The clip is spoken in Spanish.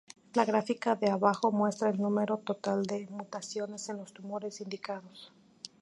La gráfica de abajo muestra el número total de mutaciones en los tumores indicados.